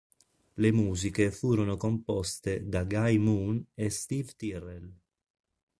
Le musiche furono composte da Guy Moon e Steve Tyrell.